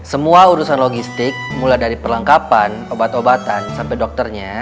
semua urusan logistik mulai dari perlengkapan obat obatan sampai dokternya